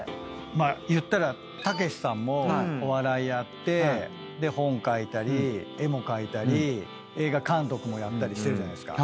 まあ言ったらたけしさんもお笑いやって本書いたり絵も描いたり映画監督もやったりしてるじゃないですか。